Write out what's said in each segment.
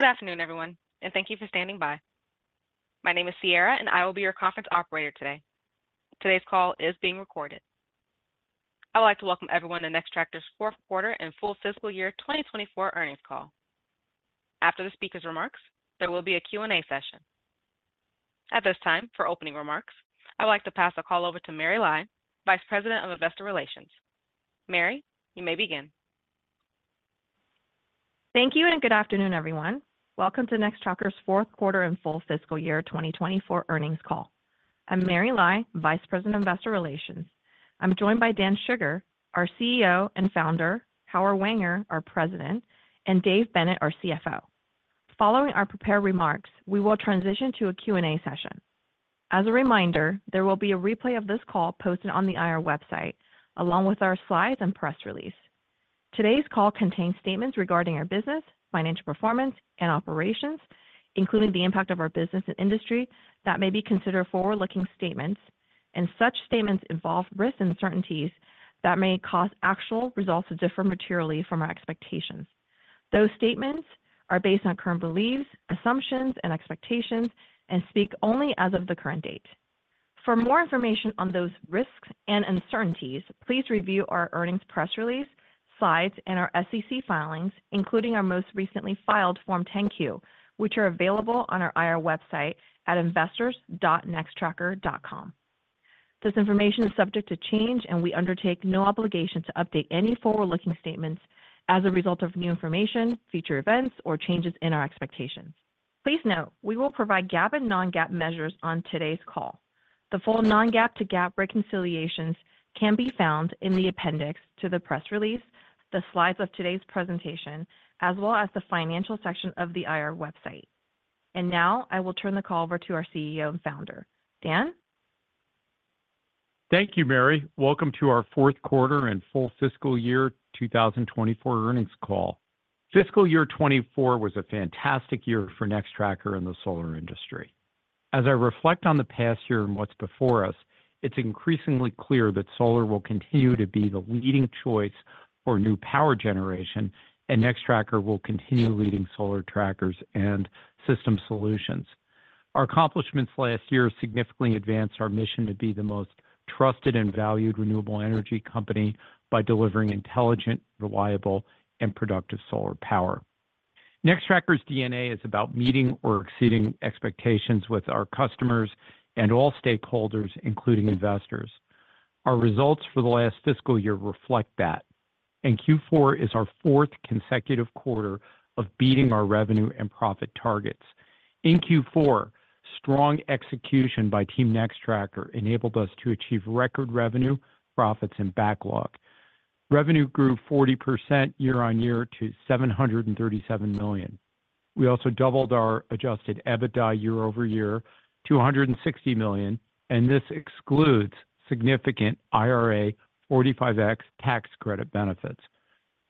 Good afternoon, everyone, and thank you for standing by. My name is Sierra, and I will be your conference operator today. Today's call is being recorded. I would like to welcome everyone to Nextracker's fourth quarter and full fiscal year 2024 earnings call. After the speaker's remarks, there will be a Q&A session. At this time, for opening remarks, I would like to pass the call over to Mary Lai, Vice President of Investor Relations. Mary, you may begin. Thank you, and good afternoon, everyone. Welcome to Nextracker's fourth quarter and full fiscal year 2024 earnings call. I'm Mary Lai, Vice President of Investor Relations. I'm joined by Dan Shugar, our CEO and founder, Howard Wenger, our President, and David Bennett, our CFO. Following our prepared remarks, we will transition to a Q&A session. As a reminder, there will be a replay of this call posted on the IR website, along with our slides and press release. Today's call contains statements regarding our business, financial performance, and operations, including the impact of our business and industry that may be considered forward-looking statements, and such statements involve risks and uncertainties that may cause actual results to differ materially from our expectations. Those statements are based on current beliefs, assumptions, and expectations, and speak only as of the current date. For more information on those risks and uncertainties, please review our earnings press release, slides, and our SEC filings, including our most recently filed Form 10-Q, which are available on our IR website at investors.nextracker.com. This information is subject to change, and we undertake no obligation to update any forward-looking statements as a result of new information, future events, or changes in our expectations. Please note, we will provide GAAP and non-GAAP measures on today's call. The full non-GAAP to GAAP reconciliations can be found in the appendix to the press release, the slides of today's presentation, as well as the financial section of the IR website. Now I will turn the call over to our CEO and founder. Dan? Thank you, Mary. Welcome to our fourth quarter and full fiscal year 2024 earnings call. Fiscal year 2024 was a fantastic year for Nextracker in the solar industry. As I reflect on the past year and what's before us, it's increasingly clear that solar will continue to be the leading choice for new power generation, and Nextracker will continue leading solar trackers and system solutions. Our accomplishments last year significantly advanced our mission to be the most trusted and valued renewable energy company by delivering intelligent, reliable, and productive solar power. Nextracker's DNA is about meeting or exceeding expectations with our customers and all stakeholders, including investors. Our results for the last fiscal year reflect that, and Q4 is our fourth consecutive quarter of beating our revenue and profit targets. In Q4, strong execution by Team Nextracker enabled us to achieve record revenue, profits, and backlog. Revenue grew 40% year-over-year to $737 million. We also doubled our Adjusted EBITDA year-over-year, $260 million, and this excludes significant IRA 45X tax credit benefits.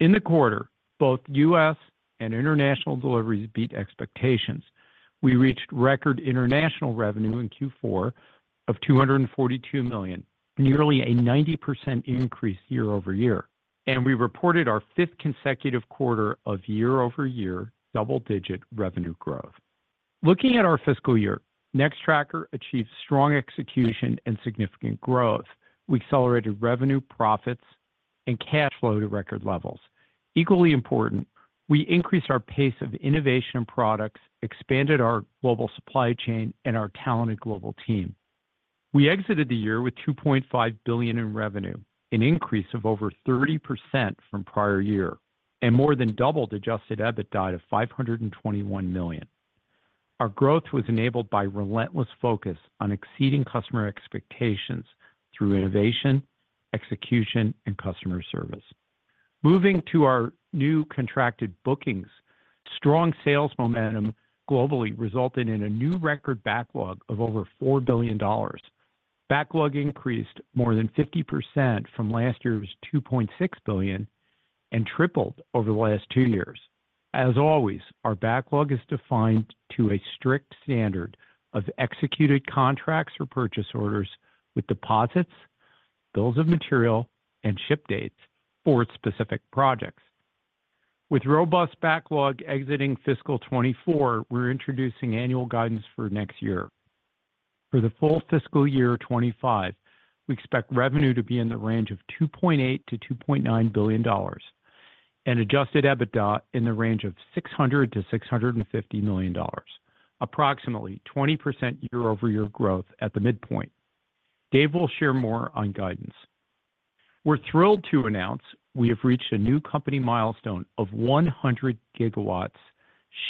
In the quarter, both U.S. and international deliveries beat expectations. We reached record international revenue in Q4 of $242 million, nearly a 90% increase year-over-year, and we reported our fifth consecutive quarter of year-over-year double-digit revenue growth. Looking at our fiscal year, Nextracker achieved strong execution and significant growth. We accelerated revenue, profits, and cash flow to record levels. Equally important, we increased our pace of innovation and products, expanded our global supply chain, and our talented global team. We exited the year with $2.5 billion in revenue, an increase of over 30% from prior year, and more than doubled Adjusted EBITDA to $521 million. Our growth was enabled by relentless focus on exceeding customer expectations through innovation, execution, and customer service. Moving to our new contracted bookings, strong sales momentum globally resulted in a new record backlog of over $4 billion. Backlog increased more than 50% from last year's $2.6 billion and tripled over the last two years. As always, our backlog is defined to a strict standard of executed contracts or purchase orders with deposits, bills of material, and ship dates for specific projects. With robust backlog exiting fiscal 2024, we're introducing annual guidance for next year. For the full fiscal year 2025, we expect revenue to be in the range of $2.8-$2.9 billion and Adjusted EBITDA in the range of $600-$650 million, approximately 20% year-over-year growth at the midpoint. Dave will share more on guidance. We're thrilled to announce we have reached a new company milestone of 100 GW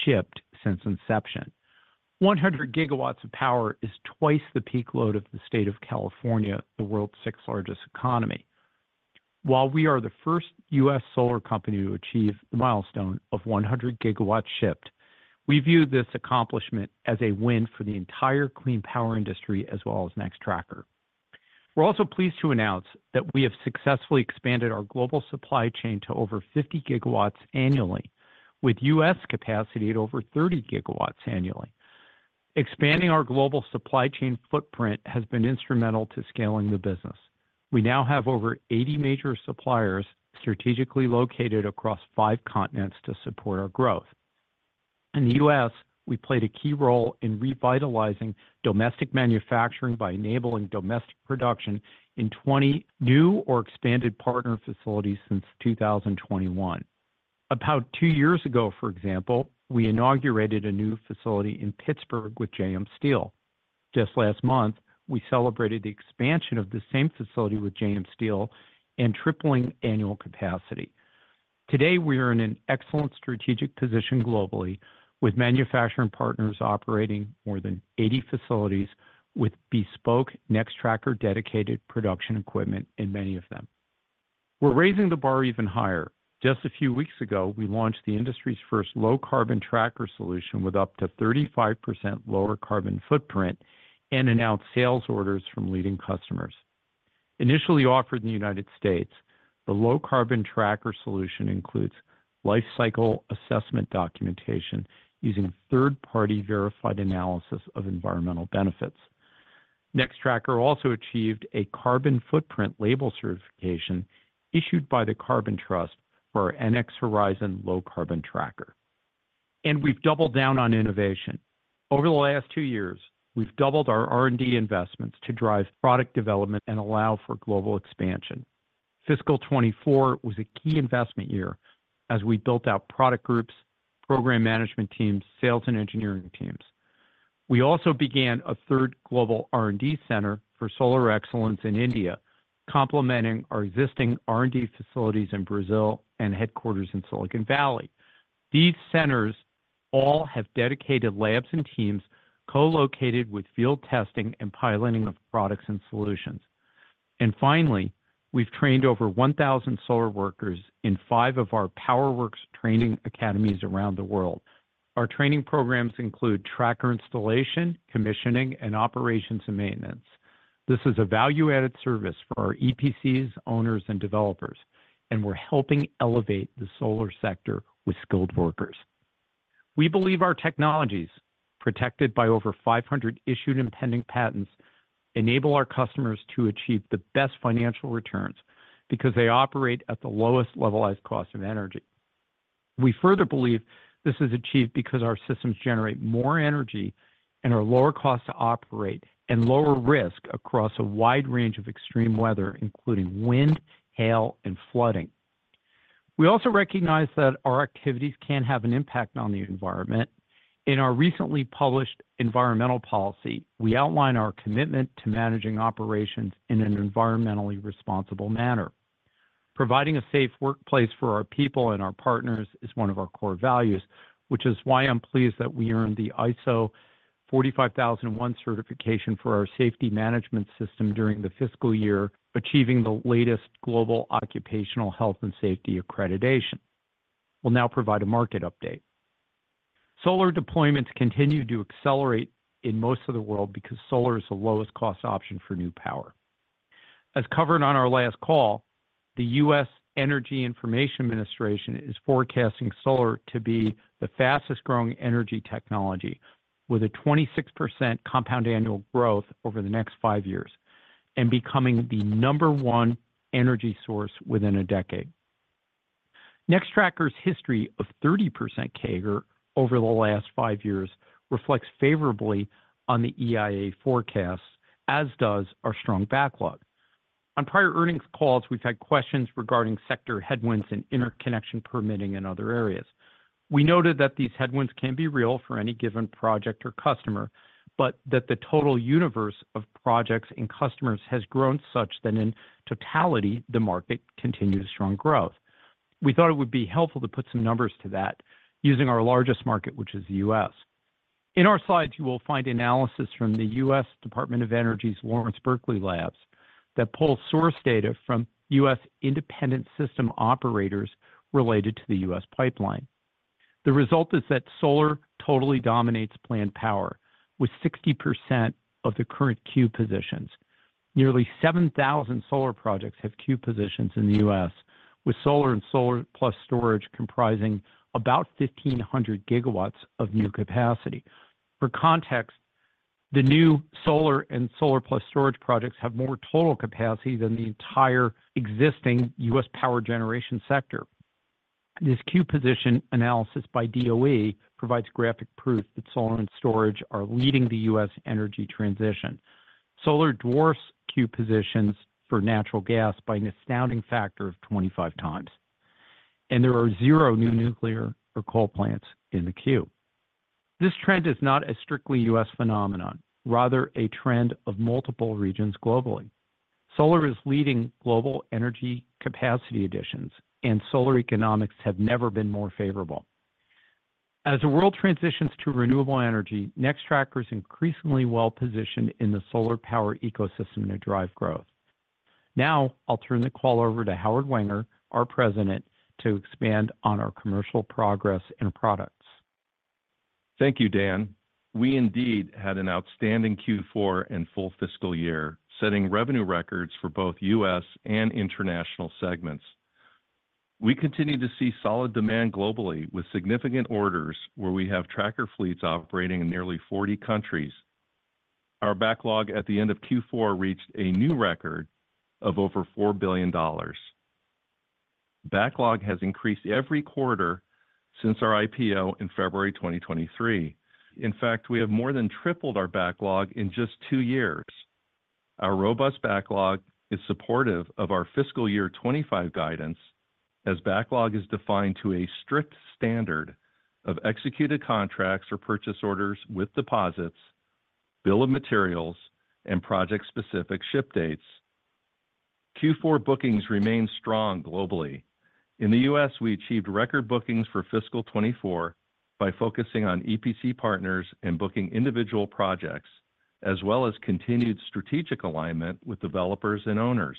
shipped since inception. 100 GW of power is twice the peak load of the state of California, the world's sixth-largest economy. While we are the first U.S. solar company to achieve the milestone of 100 GW shipped, we view this accomplishment as a win for the entire clean power industry as well as Nextracker. We're also pleased to announce that we have successfully expanded our global supply chain to over 50 GW annually, with U.S. capacity at over 30 GW annually. Expanding our global supply chain footprint has been instrumental to scaling the business. We now have over 80 major suppliers strategically located across five continents to support our growth. In the U.S., we played a key role in revitalizing domestic manufacturing by enabling domestic production in 20 new or expanded partner facilities since 2021. About two years ago, for example, we inaugurated a new facility in Pittsburgh with JM Steel. Just last month, we celebrated the expansion of the same facility with JM Steel and tripling annual capacity. Today, we are in an excellent strategic position globally, with manufacturing partners operating more than 80 facilities with bespoke Nextracker dedicated production equipment in many of them. We're raising the bar even higher. Just a few weeks ago, we launched the industry's first low-carbon tracker solution with up to 35% lower carbon footprint and announced sales orders from leading customers. Initially offered in the United States, the low-carbon tracker solution includes lifecycle assessment documentation using third-party verified analysis of environmental benefits. Nextracker also achieved a carbon footprint label certification issued by the Carbon Trust for our NX Horizon Low Carbon tracker. We've doubled down on innovation. Over the last two years, we've doubled our R&D investments to drive product development and allow for global expansion. Fiscal 2024 was a key investment year as we built out product groups, program management teams, sales and engineering teams. We also began a third global R&D center for solar excellence in India, complementing our existing R&D facilities in Brazil and headquarters in Silicon Valley. These centers all have dedicated labs and teams co-located with field testing and piloting of products and solutions. Finally, we've trained over 1,000 solar workers in five of our PowerworX training academies around the world. Our training programs include tracker installation, commissioning, and operations and maintenance. This is a value-added service for our EPCs, owners, and developers, and we're helping elevate the solar sector with skilled workers. We believe our technologies, protected by over 500 issued and pending patents, enable our customers to achieve the best financial returns because they operate at the lowest levelized cost of energy. We further believe this is achieved because our systems generate more energy and are lower cost to operate and lower risk across a wide range of extreme weather, including wind, hail, and flooding. We also recognize that our activities can have an impact on the environment. In our recently published environmental policy, we outline our commitment to managing operations in an environmentally responsible manner. Providing a safe workplace for our people and our partners is one of our core values, which is why I'm pleased that we earned the ISO 45001 certification for our safety management system during the fiscal year, achieving the latest global occupational health and safety accreditation. We'll now provide a market update. Solar deployments continue to accelerate in most of the world because solar is the lowest cost option for new power. As covered on our last call, the U.S. Energy Information Administration is forecasting solar to be the fastest-growing energy technology, with a 26% compound annual growth over the next five years and becoming the number one energy source within a decade. Nextracker's history of 30% CAGR over the last five years reflects favorably on the EIA forecasts, as does our strong backlog. On prior earnings calls, we've had questions regarding sector headwinds and interconnection permitting in other areas. We noted that these headwinds can be real for any given project or customer, but that the total universe of projects and customers has grown such that, in totality, the market continues strong growth. We thought it would be helpful to put some numbers to that using our largest market, which is the U.S. In our slides, you will find analysis from the U.S. Department of Energy's Lawrence Berkeley Labs that pulls source data from U.S. independent system operators related to the U.S. pipeline. The result is that solar totally dominates planned power with 60% of the current queue positions. Nearly 7,000 solar projects have queue positions in the U.S., with solar and solar-plus storage comprising about 1,500 GW of new capacity. For context, the new solar and solar-plus storage projects have more total capacity than the entire existing U.S. power generation sector. This queue position analysis by DOE provides graphic proof that solar and storage are leading the U.S. energy transition. Solar dwarfs queue positions for natural gas by an astounding factor of 25 times, and there are zero new nuclear or coal plants in the queue. This trend is not a strictly U.S. phenomenon, rather a trend of multiple regions globally. Solar is leading global energy capacity additions, and solar economics have never been more favorable. As the world transitions to renewable energy, Nextracker is increasingly well-positioned in the solar power ecosystem to drive growth. Now I'll turn the call over to Howard Wenger, our President, to expand on our commercial progress and products. Thank you, Dan. We indeed had an outstanding Q4 and full fiscal year, setting revenue records for both U.S. and international segments. We continue to see solid demand globally, with significant orders where we have tracker fleets operating in nearly 40 countries. Our backlog at the end of Q4 reached a new record of over $4 billion. Backlog has increased every quarter since our IPO in February 2023. In fact, we have more than tripled our backlog in just two years. Our robust backlog is supportive of our fiscal year 2025 guidance as backlog is defined to a strict standard of executed contracts or purchase orders with deposits, bill of materials, and project-specific ship dates. Q4 bookings remain strong globally. In the U.S., we achieved record bookings for fiscal 2024 by focusing on EPC partners and booking individual projects, as well as continued strategic alignment with developers and owners.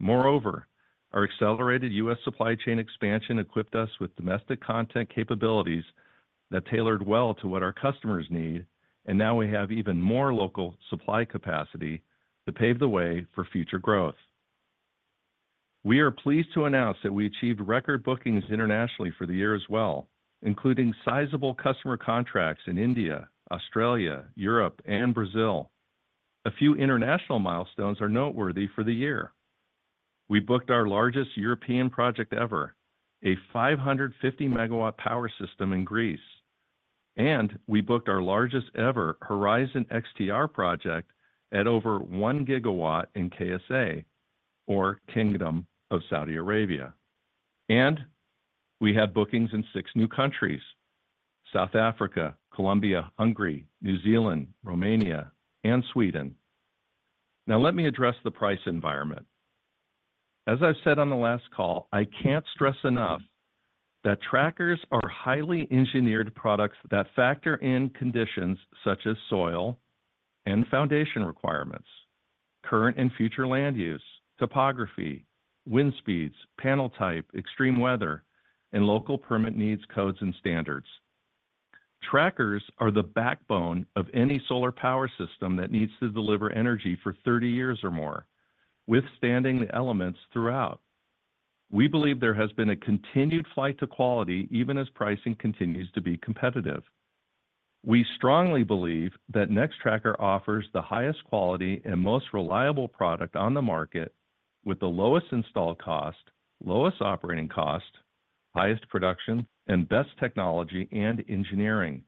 Moreover, our accelerated U.S. supply chain expansion equipped us with domestic content capabilities that tailored well to what our customers need, and now we have even more local supply capacity to pave the way for future growth. We are pleased to announce that we achieved record bookings internationally for the year as well, including sizable customer contracts in India, Australia, Europe, and Brazil. A few international milestones are noteworthy for the year. We booked our largest European project ever, a 550-MW power system in Greece, and we booked our largest ever Horizon XTR project at over 1 GW in KSA, or Kingdom of Saudi Arabia. We had bookings in six new countries: South Africa, Colombia, Hungary, New Zealand, Romania, and Sweden. Now let me address the price environment. As I've said on the last call, I can't stress enough that trackers are highly engineered products that factor in conditions such as soil and foundation requirements, current and future land use, topography, wind speeds, panel type, extreme weather, and local permit needs, codes, and standards. Trackers are the backbone of any solar power system that needs to deliver energy for 30 years or more, withstanding the elements throughout. We believe there has been a continued flight to quality even as pricing continues to be competitive. We strongly believe that Nextracker offers the highest quality and most reliable product on the market, with the lowest install cost, lowest operating cost, highest production, and best technology and engineering.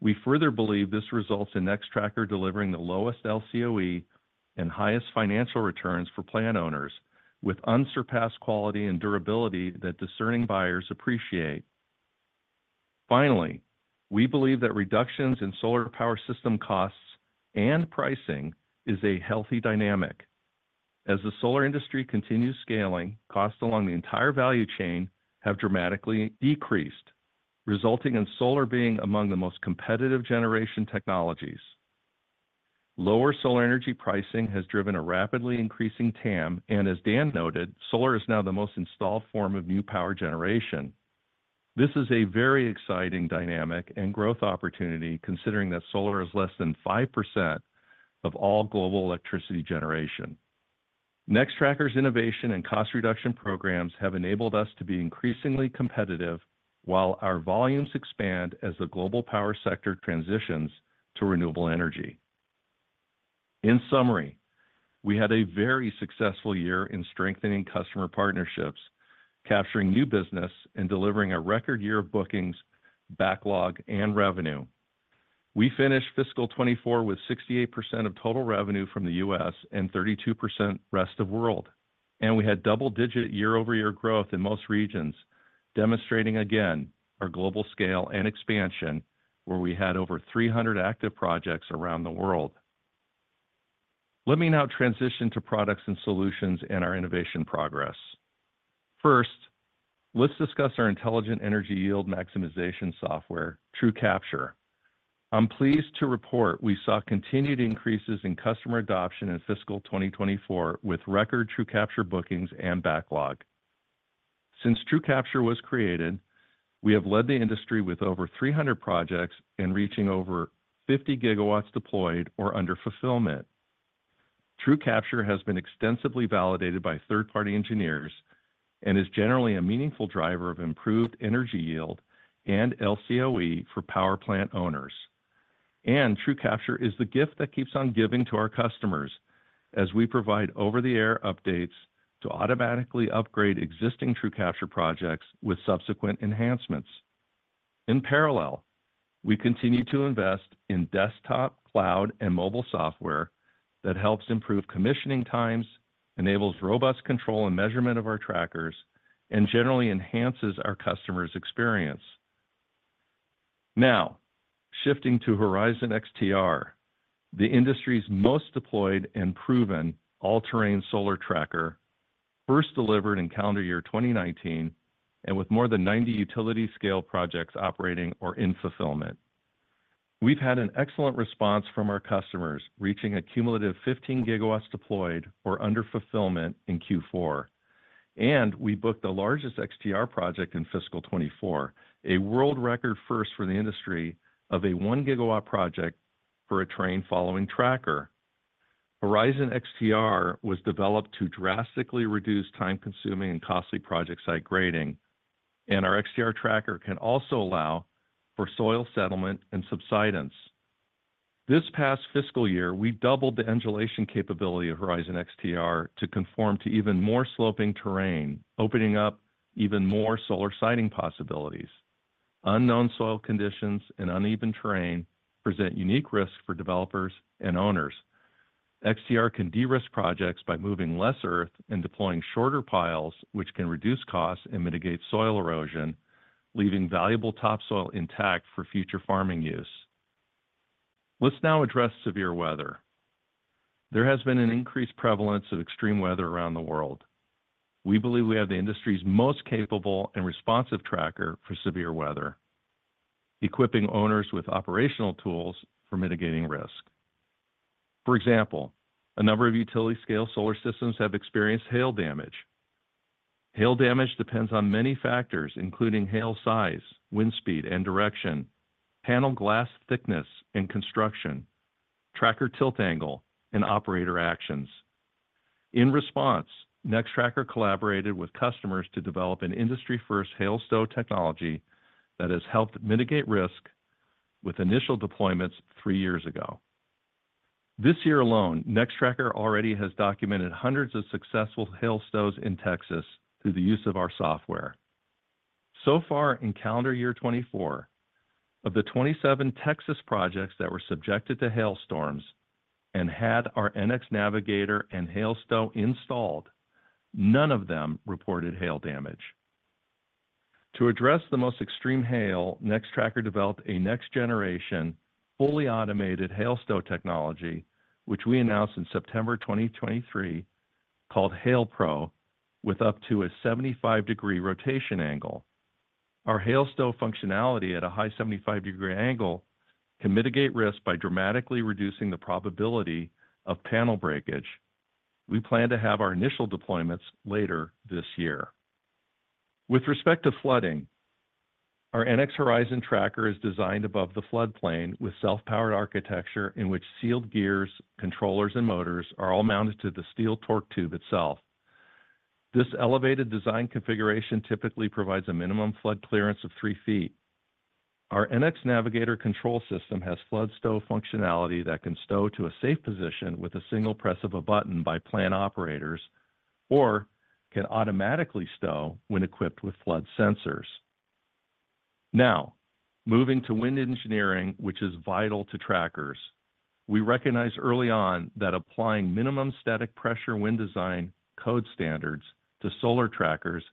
We further believe this results in Nextracker delivering the lowest LCOE and highest financial returns for plan owners, with unsurpassed quality and durability that discerning buyers appreciate. Finally, we believe that reductions in solar power system costs and pricing are a healthy dynamic. As the solar industry continues scaling, costs along the entire value chain have dramatically decreased, resulting in solar being among the most competitive generation technologies. Lower solar energy pricing has driven a rapidly increasing TAM, and as Dan noted, solar is now the most installed form of new power generation. This is a very exciting dynamic and growth opportunity considering that solar is less than 5% of all global electricity generation. Nextracker's innovation and cost reduction programs have enabled us to be increasingly competitive while our volumes expand as the global power sector transitions to renewable energy. In summary, we had a very successful year in strengthening customer partnerships, capturing new business, and delivering a record year of bookings, backlog, and revenue. We finished fiscal 2024 with 68% of total revenue from the U.S. 32% rest of the world, and we had double-digit year-over-year growth in most regions, demonstrating again our global scale and expansion where we had over 300 active projects around the world. Let me now transition to products and solutions and our innovation progress. First, let's discuss our intelligent energy yield maximization software, TrueCapture. I'm pleased to report we saw continued increases in customer adoption in fiscal 2024 with record TrueCapture bookings and backlog. Since TrueCapture was created, we have led the industry with over 300 projects and reaching over 50 GW deployed or under fulfillment. TrueCapture has been extensively validated by third-party engineers and is generally a meaningful driver of improved energy yield and LCOE for power plant owners. TrueCapture is the gift that keeps on giving to our customers as we provide over-the-air updates to automatically upgrade existing TrueCapture projects with subsequent enhancements. In parallel, we continue to invest in desktop, cloud, and mobile software that helps improve commissioning times, enables robust control and measurement of our trackers, and generally enhances our customers' experience. Now, shifting to Horizon XTR, the industry's most deployed and proven all-terrain solar tracker, first delivered in calendar year 2019 and with more than 90 utility-scale projects operating or in fulfillment. We've had an excellent response from our customers, reaching a cumulative 15 GW deployed or under fulfillment in Q4. We booked the largest XTR project in fiscal 2024, a world-record first for the industry of a 1 GW project for a terrain-following tracker. Horizon XTR was developed to drastically reduce time-consuming and costly project site grading, and our XTR tracker can also allow for soil settlement and subsidence. This past fiscal year, we doubled the inclination capability of Horizon XTR to conform to even more sloping terrain, opening up even more solar siting possibilities. Unknown soil conditions and uneven terrain present unique risks for developers and owners. XTR can de-risk projects by moving less earth and deploying shorter piles, which can reduce costs and mitigate soil erosion, leaving valuable topsoil intact for future farming use. Let's now address severe weather. There has been an increased prevalence of extreme weather around the world. We believe we have the industry's most capable and responsive tracker for severe weather, equipping owners with operational tools for mitigating risk. For example, a number of utility-scale solar systems have experienced hail damage. Hail damage depends on many factors, including hail size, wind speed and direction, panel glass thickness and construction, tracker tilt angle, and operator actions. In response, Nextracker collaborated with customers to develop an industry-first hail stow technology that has helped mitigate risk with initial deployments three years ago. This year alone, Nextracker already has documented hundreds of successful hail stows in Texas through the use of our software. So far in calendar year 2024, of the 27 Texas projects that were subjected to hailstorms and had our NX Navigator and hail stow installed, none of them reported hail damage. To address the most extreme hail, Nextracker developed a next-generation, fully automated hail stow technology, which we announced in September 2023, called Hail Pro, with up to a 75-degree rotation angle. Our hail stow functionality at a high 75-degree angle can mitigate risk by dramatically reducing the probability of panel breakage. We plan to have our initial deployments later this year. With respect to flooding, our NX Horizon tracker is designed above the floodplain with self-powered architecture in which sealed gears, controllers, and motors are all mounted to the steel torque tube itself. This elevated design configuration typically provides a minimum flood clearance of three feet. Our NX Navigator control system has flood stow functionality that can stow to a safe position with a single press of a button by plant operators or can automatically stow when equipped with flood sensors. Now, moving to wind engineering, which is vital to trackers, we recognized early on that applying minimum static pressure wind design code standards to solar trackers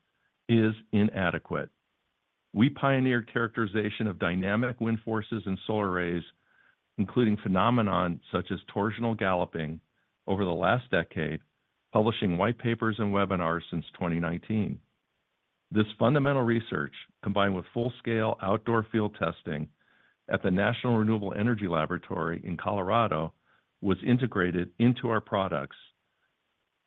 is inadequate. We pioneered characterization of dynamic wind forces and solar arrays, including phenomena such as torsional galloping, over the last decade, publishing white papers and webinars since 2019. This fundamental research, combined with full-scale outdoor field testing at the National Renewable Energy Laboratory in Colorado, was integrated into our products.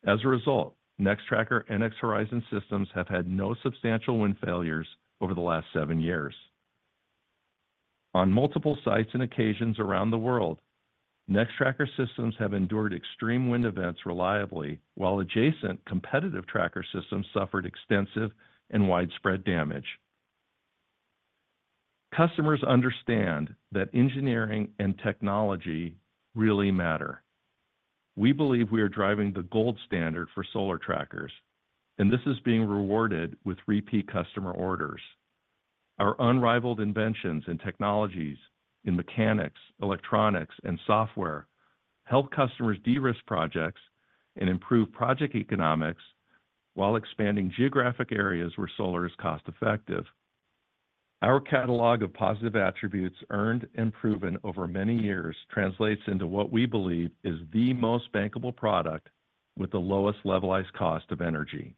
As a result, Nextracker NX Horizon systems have had no substantial wind failures over the last seven years. On multiple sites and occasions around the world, Nextracker systems have endured extreme wind events reliably while adjacent, competitive tracker systems suffered extensive and widespread damage. Customers understand that engineering and technology really matter. We believe we are driving the gold standard for solar trackers, and this is being rewarded with repeat customer orders. Our unrivaled inventions and technologies in mechanics, electronics, and software help customers de-risk projects and improve project economics while expanding geographic areas where solar is cost-effective. Our catalog of positive attributes, earned and proven over many years, translates into what we believe is the most bankable product with the lowest levelized cost of energy.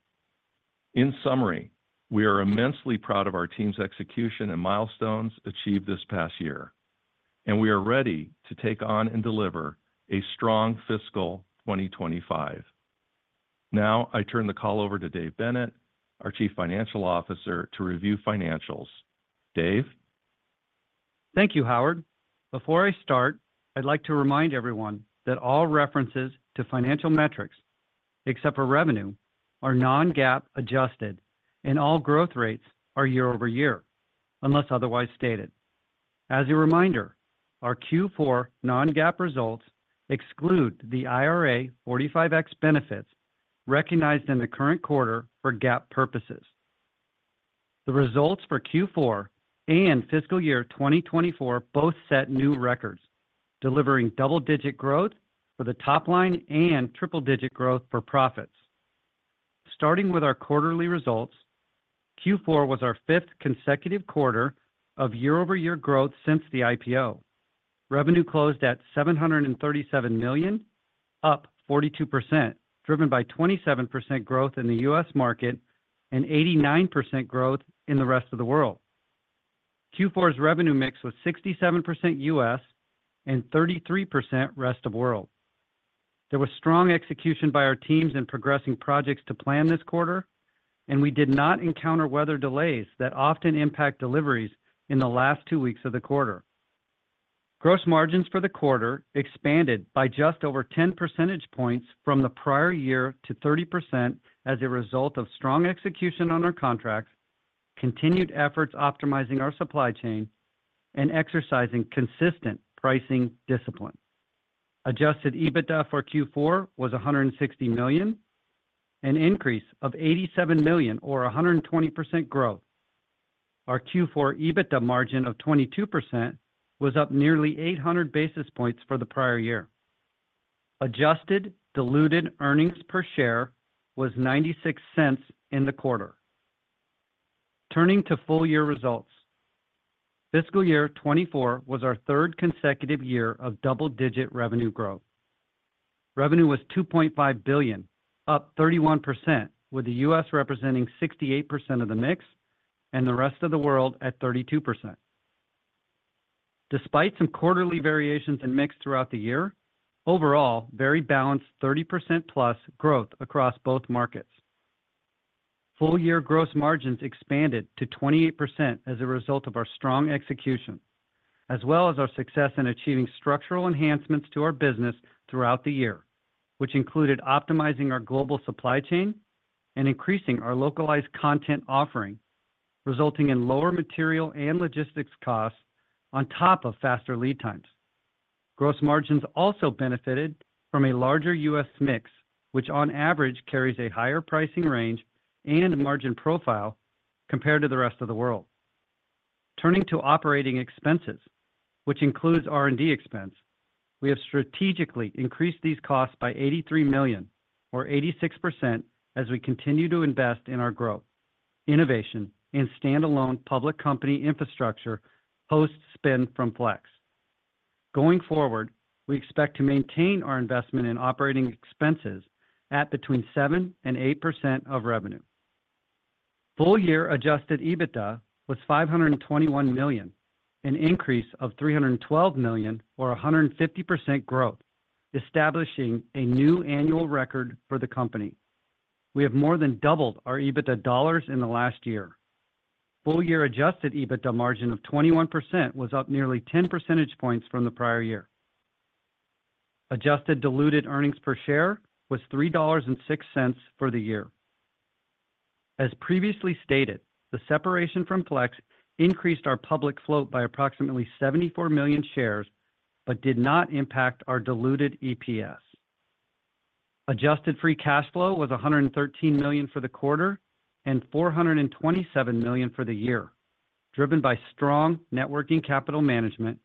In summary, we are immensely proud of our team's execution and milestones achieved this past year, and we are ready to take on and deliver a strong fiscal 2025. Now I turn the call over to Dave Bennett, our Chief Financial Officer, to review financials. Dave? Thank you, Howard. Before I start, I'd like to remind everyone that all references to financial metrics, except for revenue, are non-GAAP adjusted, and all growth rates are year-over-year, unless otherwise stated. As a reminder, our Q4 non-GAAP results exclude the IRA 45X benefits recognized in the current quarter for GAAP purposes. The results for Q4 and fiscal year 2024 both set new records, delivering double-digit growth for the topline and triple-digit growth for profits. Starting with our quarterly results, Q4 was our fifth consecutive quarter of year-over-year growth since the IPO. Revenue closed at $737 million, up 42%, driven by 27% growth in the U.S. market and 89% growth in the rest of the world. Q4's revenue mix was 67% U.S. and 33% rest of world. There was strong execution by our teams in progressing projects to plan this quarter, and we did not encounter weather delays that often impact deliveries in the last two weeks of the quarter. Gross margins for the quarter expanded by just over 10 percentage points from the prior year to 30% as a result of strong execution on our contracts, continued efforts optimizing our supply chain, and exercising consistent pricing discipline. Adjusted EBITDA for Q4 was $160 million, an increase of $87 million or 120% growth. Our Q4 EBITDA margin of 22% was up nearly 800 basis points for the prior year. Adjusted diluted earnings per share was $0.96 in the quarter. Turning to full-year results, fiscal year 2024 was our third consecutive year of double-digit revenue growth. Revenue was $2.5 billion, up 31%, with the U.S. representing 68% of the mix and the rest of the world at 32%. Despite some quarterly variations in mix throughout the year, overall very balanced 30%+ growth across both markets. Full-year gross margins expanded to 28% as a result of our strong execution, as well as our success in achieving structural enhancements to our business throughout the year, which included optimizing our global supply chain and increasing our localized content offering, resulting in lower material and logistics costs on top of faster lead times. Gross margins also benefited from a larger U.S. mix, which on average carries a higher pricing range and margin profile compared to the rest of the world. Turning to operating expenses, which includes R&D expense, we have strategically increased these costs by $83 million or 86% as we continue to invest in our growth, innovation, and standalone public company infrastructure post-spin from Flex. Going forward, we expect to maintain our investment in operating expenses at between 7% and 8% of revenue. Full-year Adjusted EBITDA was $521 million, an increase of $312 million or 150% growth, establishing a new annual record for the company. We have more than doubled our EBITDA dollars in the last year. Full-year Adjusted EBITDA margin of 21% was up nearly 10 percentage points from the prior year. Adjusted diluted earnings per share was $3.06 for the year. As previously stated, the separation from Flex increased our public float by approximately 74 million shares but did not impact our diluted EPS. Adjusted free cash flow was $113 million for the quarter and $427 million for the year, driven by strong working capital management,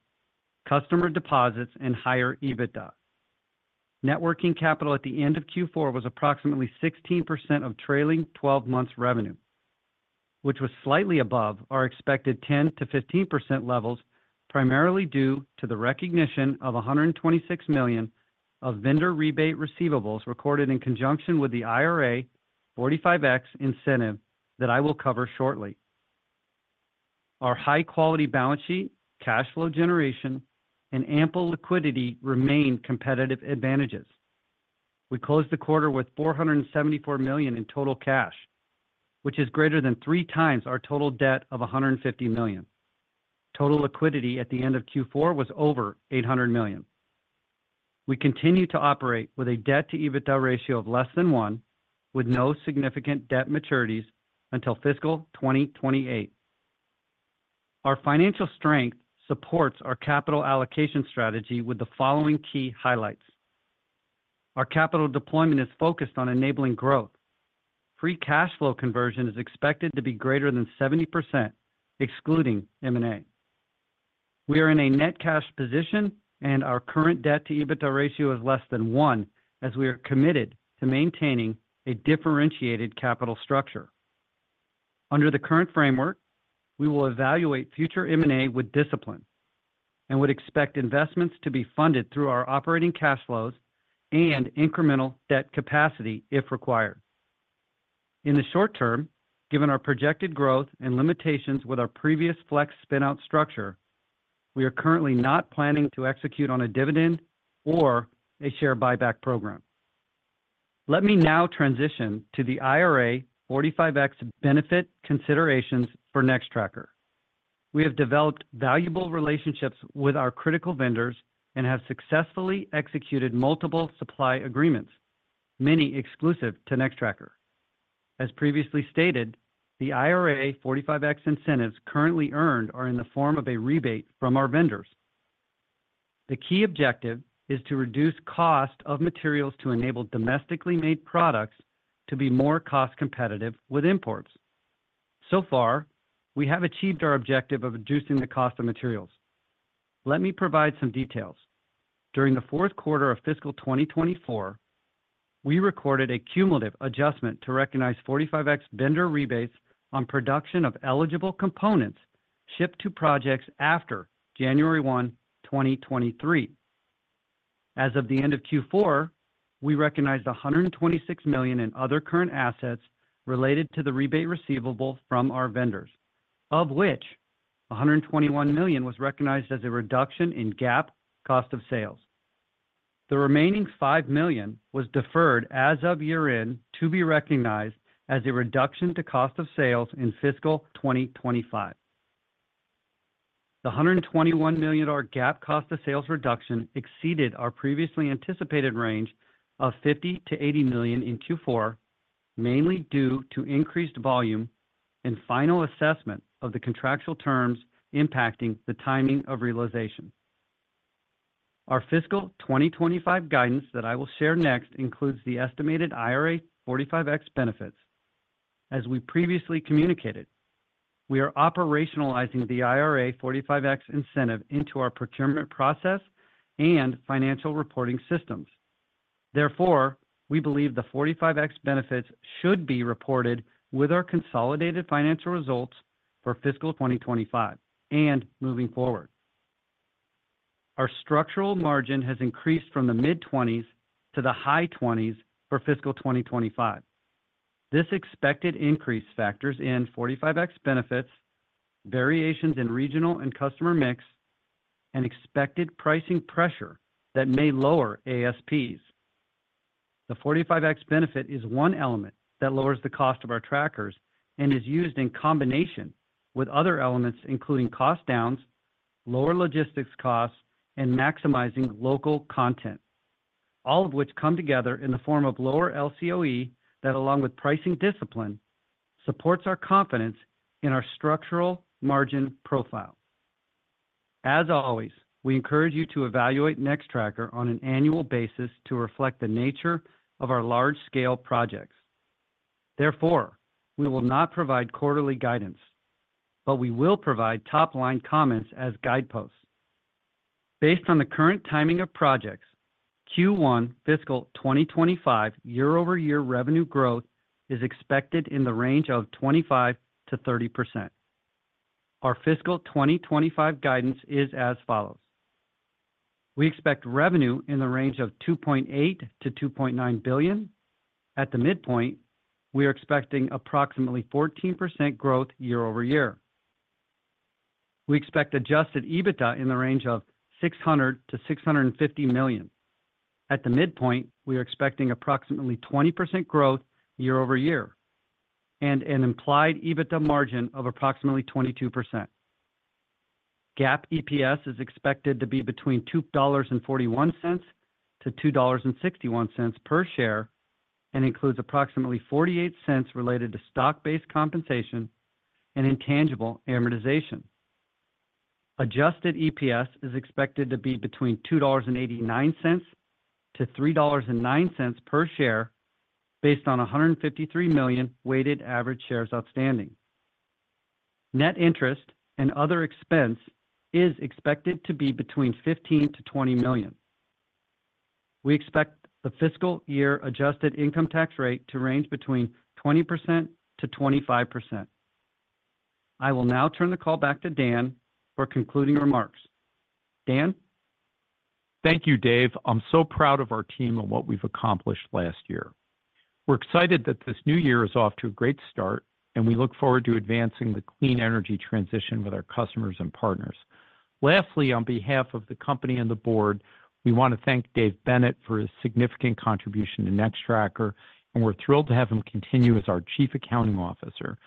customer deposits, and higher EBITDA. working capital at the end of Q4 was approximately 16% of trailing 12 months' revenue, which was slightly above our expected 10%-15% levels, primarily due to the recognition of $126 million of vendor rebate receivables recorded in conjunction with the IRA 45X incentive that I will cover shortly. Our high-quality balance sheet, cash flow generation, and ample liquidity remain competitive advantages. We closed the quarter with $474 million in total cash, which is greater than three times our total debt of $150 million. Total liquidity at the end of Q4 was over $800 million. We continue to operate with a debt-to-EBITDA ratio of less than 1, with no significant debt maturities until fiscal 2028. Our financial strength supports our capital allocation strategy with the following key highlights. Our capital deployment is focused on enabling growth. Free cash flow conversion is expected to be greater than 70%, excluding M&A. We are in a net cash position, and our current debt-to-EBITDA ratio is less than 1, as we are committed to maintaining a differentiated capital structure. Under the current framework, we will evaluate future M&A with discipline and would expect investments to be funded through our operating cash flows and incremental debt capacity if required. In the short term, given our projected growth and limitations with our previous Flex spinout structure, we are currently not planning to execute on a dividend or a share buyback program. Let me now transition to the IRA 45X benefit considerations for Nextracker. We have developed valuable relationships with our critical vendors and have successfully executed multiple supply agreements, many exclusive to Nextracker. As previously stated, the IRA 45X incentives currently earned are in the form of a rebate from our vendors. The key objective is to reduce cost of materials to enable domestically made products to be more cost-competitive with imports. So far, we have achieved our objective of reducing the cost of materials. Let me provide some details. During the fourth quarter of fiscal 2024, we recorded a cumulative adjustment to recognize 45X vendor rebates on production of eligible components shipped to projects after January 1, 2023. As of the end of Q4, we recognized $126 million in other current assets related to the rebate receivable from our vendors, of which $121 million was recognized as a reduction in GAAP cost of sales. The remaining $5 million was deferred as of year-end to be recognized as a reduction to cost of sales in fiscal 2025. The $121 million GAAP cost of sales reduction exceeded our previously anticipated range of $50 million-$80 million in Q4, mainly due to increased volume and final assessment of the contractual terms impacting the timing of realization. Our fiscal 2025 guidance that I will share next includes the estimated IRA 45X benefits. As we previously communicated, we are operationalizing the IRA 45X incentive into our procurement process and financial reporting systems. Therefore, we believe the 45X benefits should be reported with our consolidated financial results for fiscal 2025 and moving forward. Our structural margin has increased from the mid-20s to the high 20s for fiscal 2025. This expected increase factors in 45X benefits, variations in regional and customer mix, and expected pricing pressure that may lower ASPs. The 45X benefit is one element that lowers the cost of our trackers and is used in combination with other elements including cost downs, lower logistics costs, and maximizing local content, all of which come together in the form of lower LCOE that, along with pricing discipline, supports our confidence in our structural margin profile. As always, we encourage you to evaluate Nextracker on an annual basis to reflect the nature of our large-scale projects. Therefore, we will not provide quarterly guidance, but we will provide topline comments as guideposts. Based on the current timing of projects, Q1 fiscal 2025 year-over-year revenue growth is expected in the range of 25%-30%. Our fiscal 2025 guidance is as follows. We expect revenue in the range of $2.8 billion-$2.9 billion. At the midpoint, we are expecting approximately 14% growth year-over-year. We expect Adjusted EBITDA in the range of $600-$650 million. At the midpoint, we are expecting approximately 20% growth year-over-year and an implied EBITDA margin of approximately 22%. GAAP EPS is expected to be between $2.41-$2.61 per share and includes approximately $0.48 related to stock-based compensation and intangible amortization. Adjusted EPS is expected to be between $2.89-$3.09 per share based on 153 million weighted average shares outstanding. Net interest and other expense is expected to be between $15-$20 million. We expect the fiscal year adjusted income tax rate to range between 20%-25%. I will now turn the call back to Dan for concluding remarks. Dan? Thank you, Dave. I'm so proud of our team and what we've accomplished last year. We're excited that this new year is off to a great start, and we look forward to advancing the clean energy transition with our customers and partners. Lastly, on behalf of the company and the board, we want to thank Dave Bennett for his significant contribution to Nextracker, and we're thrilled to have him continue as our Chief Accounting Officer.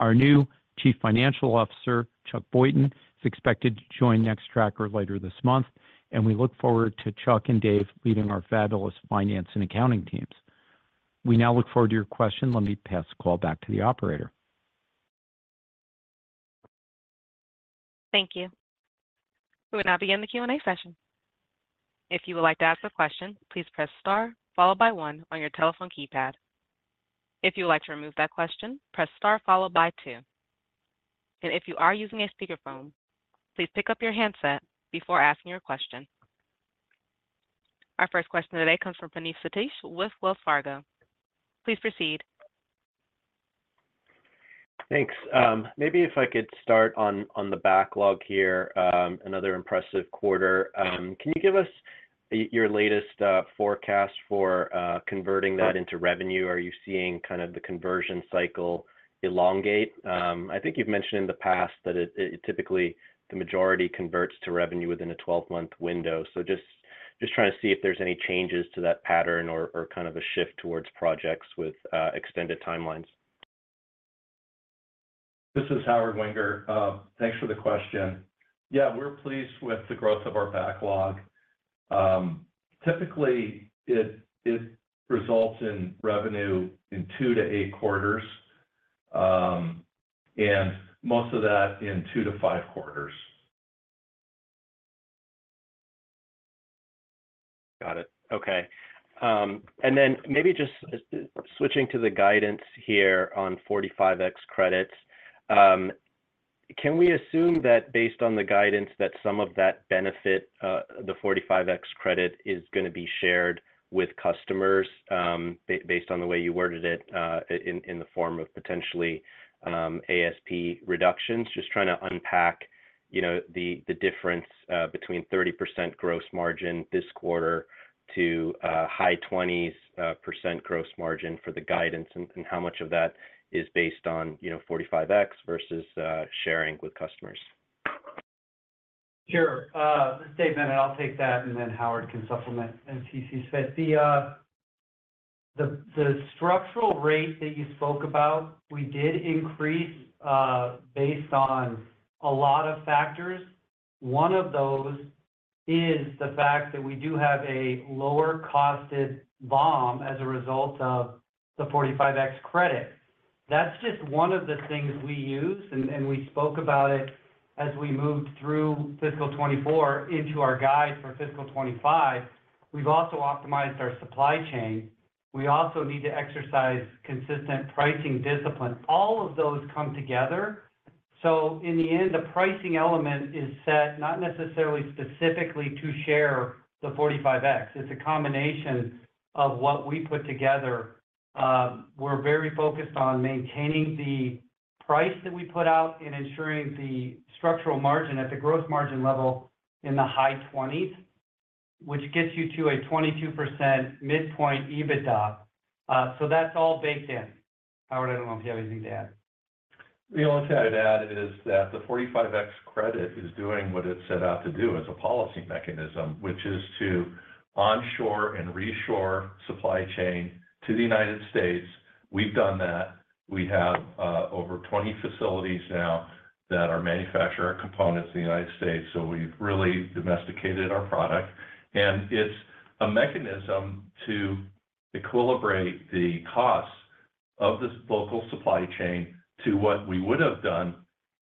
Our new Chief Financial Officer, Chuck Boynton, is expected to join Nextracker later this month, and we look forward to Chuck and Dave leading our fabulous finance and accounting teams. We now look forward to your question. Let me pass the call back to the operator. Thank you. We will now begin the Q&A session. If you would like to ask a question, please press star followed by 1 on your telephone keypad. If you would like to remove that question, press star followed by 2. If you are using a speakerphone, please pick up your handset before asking your question. Our first question today comes from Praneeth Satish with Wells Fargo. Please proceed. Thanks. Maybe if I could start on the backlog here, another impressive quarter. Can you give us your latest forecast for converting that into revenue? Are you seeing kind of the conversion cycle elongate? I think you've mentioned in the past that typically the majority converts to revenue within a 12-month window. So just trying to see if there's any changes to that pattern or kind of a shift towards projects with extended timelines? This is Howard Wenger. Thanks for the question. Yeah, we're pleased with the growth of our backlog. Typically, it results in revenue in 2-8 quarters and most of that in 2-5 quarters. Got it. Okay. And then maybe just switching to the guidance here on 45X credits, can we assume that based on the guidance that some of that benefit, the 45X credit, is going to be shared with customers based on the way you worded it in the form of potentially ASP reductions? Just trying to unpack the difference between 30% gross margin this quarter to high 20s% gross margin for the guidance and how much of that is based on 45X versus sharing with customers. Sure. David Bennett. I'll take that, and then Howard can supplement as he sees fit. The structural rate that you spoke about, we did increase based on a lot of factors. One of those is the fact that we do have a lower-costed BOM as a result of the 45X credit. That's just one of the things we use, and we spoke about it as we moved through fiscal 2024 into our guide for fiscal 2025. We've also optimized our supply chain. We also need to exercise consistent pricing discipline. All of those come together. So in the end, the pricing element is set not necessarily specifically to share the 45X. It's a combination of what we put together. We're very focused on maintaining the price that we put out and ensuring the structural margin at the gross margin level in the high 20s, which gets you to a 22% midpoint EBITDA. So that's all baked in. Howard, I don't know if you have anything to add. The only thing I would add is that the 45X credit is doing what it set out to do as a policy mechanism, which is to onshore and reshore supply chain to the United States. We've done that. We have over 20 facilities now that manufacture our components in the United States. So we've really domesticated our product. And it's a mechanism to equilibrate the costs of this local supply chain to what we would have done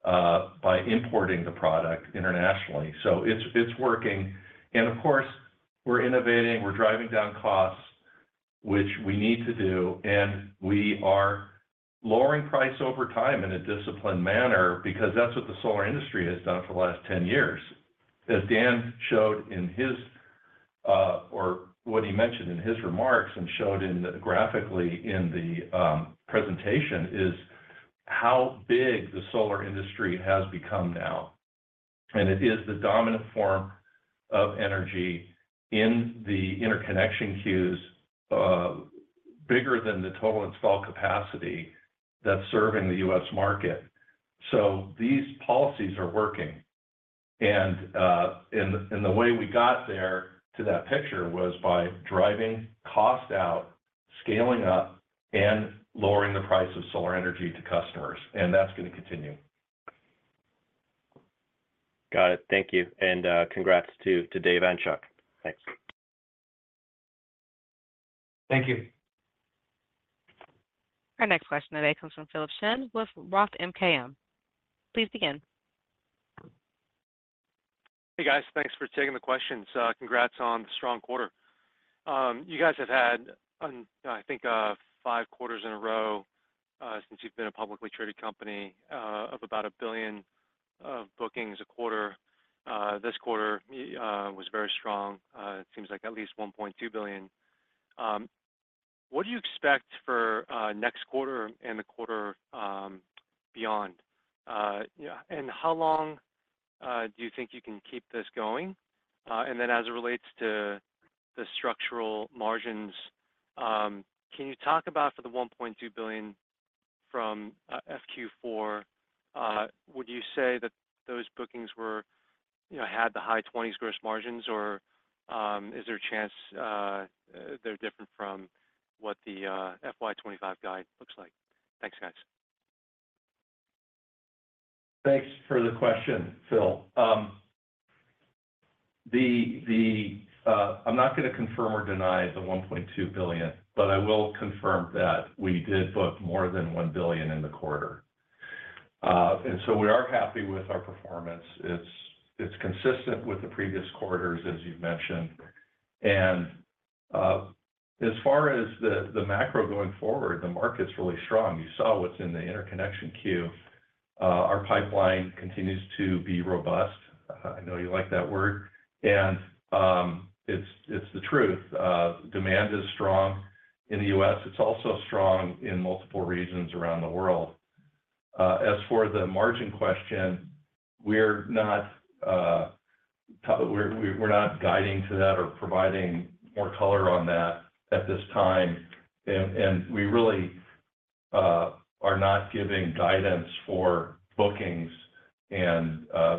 by importing the product internationally. So it's working. And of course, we're innovating. We're driving down costs, which we need to do. We are lowering price over time in a disciplined manner because that's what the solar industry has done for the last 10 years. As Dan showed in his or what he mentioned in his remarks and showed graphically in the presentation is how big the solar industry has become now. It is the dominant form of energy in the interconnection queues, bigger than the total installed capacity that's serving the U.S. market. So these policies are working. The way we got there to that picture was by driving cost out, scaling up, and lowering the price of solar energy to customers. That's going to continue. Got it. Thank you. And congrats to Dave and Chuck. Thanks. Thank you. Our next question today comes from Philip Shen with Roth MKM. Please begin. Hey, guys. Thanks for taking the questions. Congrats on the strong quarter. You guys have had, I think, 5 quarters in a row since you've been a publicly traded company of about $1 billion of bookings a quarter. This quarter was very strong. It seems like at least $1.2 billion. What do you expect for next quarter and the quarter beyond? And how long do you think you can keep this going? And then as it relates to the structural margins, can you talk about for the $1.2 billion from FQ4, would you say that those bookings had the high 20s gross margins, or is there a chance they're different from what the FY25 guide looks like? Thanks, guys. Thanks for the question, Phil. I'm not going to confirm or deny the $1.2 billion, but I will confirm that we did book more than $1 billion in the quarter. And so we are happy with our performance. It's consistent with the previous quarters, as you've mentioned. And as far as the macro going forward, the market's really strong. You saw what's in the interconnection queue. Our pipeline continues to be robust. I know you like that word. And it's the truth. Demand is strong in the U.S. It's also strong in multiple regions around the world. As for the margin question, we're not guiding to that or providing more color on that at this time. And we really are not giving guidance for bookings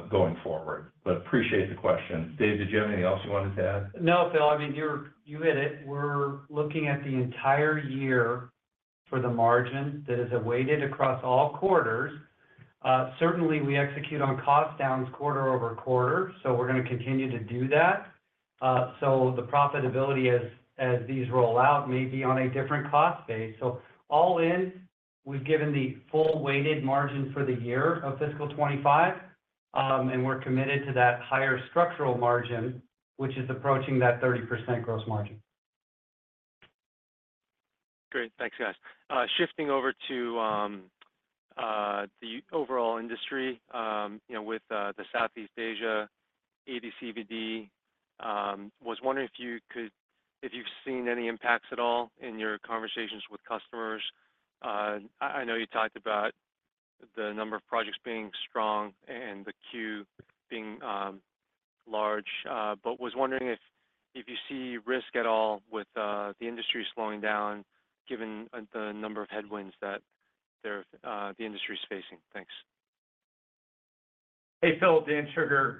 going forward. But appreciate the question. Dave, did you have anything else you wanted to add? No, Phil. I mean, you hit it. We're looking at the entire year for the margin that is weighted across all quarters. Certainly, we execute on cost downs quarter over quarter, so we're going to continue to do that. So the profitability as these roll out may be on a different cost base. So all in, we've given the full weighted margin for the year of fiscal 2025, and we're committed to that higher structural margin, which is approaching that 30% gross margin. Great. Thanks, guys. Shifting over to the overall industry with Southeast Asia, ADCVD, was wondering if you've seen any impacts at all in your conversations with customers. I know you talked about the number of projects being strong and the queue being large, but was wondering if you see risk at all with the industry slowing down given the number of headwinds that the industry is facing. Thanks. Hey, Phil. Dan Shugar.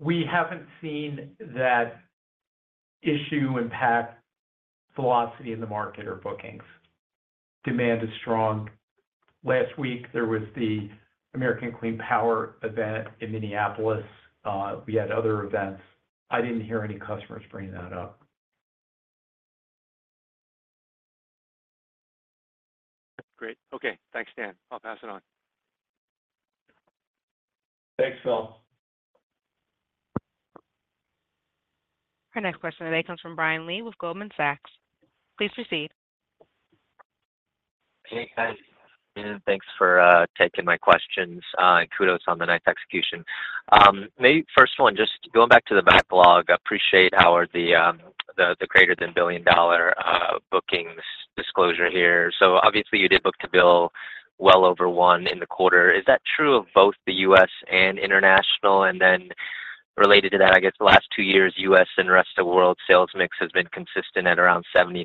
We haven't seen that issue impact velocity in the market or bookings. Demand is strong. Last week, there was the American Clean Power event in Minneapolis. We had other events. I didn't hear any customers bringing that up. Great. Okay. Thanks, Dan. I'll pass it on. Thanks, Phil. Our next question today comes from Brian Lee with Goldman Sachs. Please proceed. Hey, guys. Thanks for taking my questions and kudos on the nice execution. First of all, just going back to the backlog, I appreciate, Howard, the greater-than $1 billion bookings disclosure here. So obviously, you did book to bill well over 1 in the quarter. Is that true of both the U.S. and international? And then related to that, I guess, the last two years, U.S. and rest of the world sales mix has been consistent at around 70%-30%.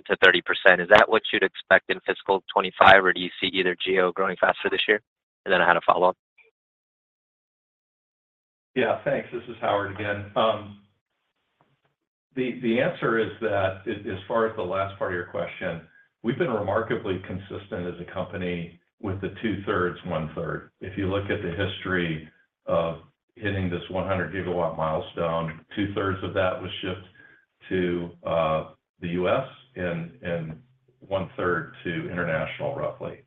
Is that what you'd expect in fiscal 2025, or do you see either GO growing faster this year? And then I had a follow-up. Yeah. Thanks. This is Howard again. The answer is that as far as the last part of your question, we've been remarkably consistent as a company with the 2/3, 1/3. If you look at the history of hitting this 100-GW milestone, 2/3 of that was shipped to the U.S. and 1/3 to international, roughly.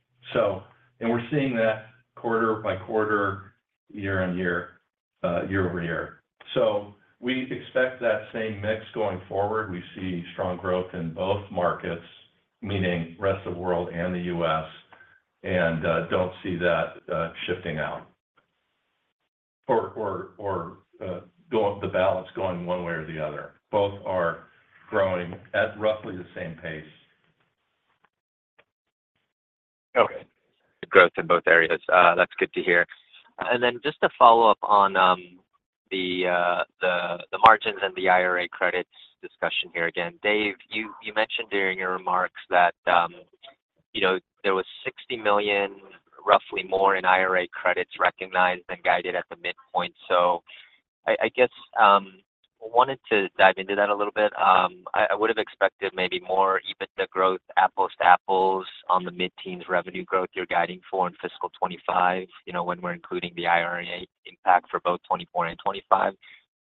And we're seeing that quarter-by-quarter, year-over-year. So we expect that same mix going forward. We see strong growth in both markets, meaning rest of the world and the U.S., and don't see that shifting out or the balance going one way or the other. Both are growing at roughly the same pace. Okay. Growth in both areas. That's good to hear. And then just to follow up on the margins and the IRA credits discussion here again, Dave, you mentioned during your remarks that there was $60 million, roughly more, in IRA credits recognized than guided at the midpoint. So I guess I wanted to dive into that a little bit. I would have expected maybe more EBITDA growth, apples to apples, on the mid-teens revenue growth you're guiding for in fiscal 2025 when we're including the IRA impact for both 2024 and 2025.